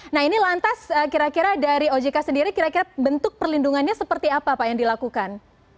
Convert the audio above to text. nah ini lantas kira kira dari ojk sendiri kira kira bentuk perlindungannya seperti apa pak yang dilakukan